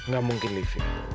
gak mungkin livi